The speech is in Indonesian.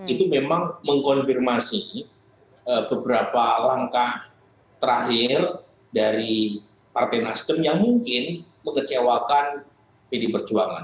itu memang mengkonfirmasi beberapa langkah terakhir dari partai nasdem yang mungkin mengecewakan pd perjuangan